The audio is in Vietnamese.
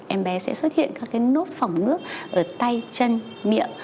em bé sẽ xuất hiện các cái nốt phỏng nước ở tay chân miệng